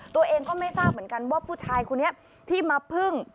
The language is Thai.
ตัวเองก็ไม่ทราบเหมือนกันว่าผู้ชายคนนี้ที่มาพึ่ง